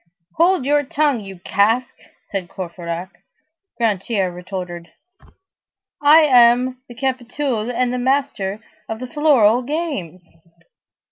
"Hold your tongue, you cask!" said Courfeyrac. Grantaire retorted:— "I am the capitoul52 and the master of the floral games!"